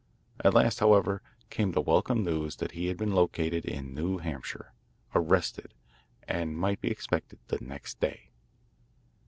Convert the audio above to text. At last, however, came the welcome news that he had been located in New Hampshire, arrested, and might be expected the next day.